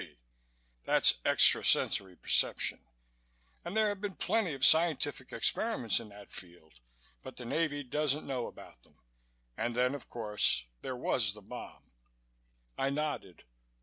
S.P. That's 'extra sensory perception' and there have been plenty of scientific experiments in that field but the Navy doesn't know about them. And then, of course, there was the bomb " I nodded.